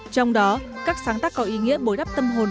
trong đó các sáng tác có ý nghĩa bối đắp tâm hồn